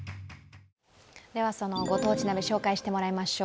そのご当地鍋紹介してもらいましょう。